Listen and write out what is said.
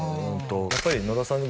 やっぱり野田さん